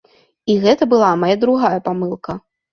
І гэта была мая другая памылка.